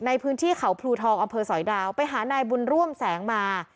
ในพื้นที่เขาพลูทองอำเภอสอยดาวไปหานายบุญร่วมแสงมา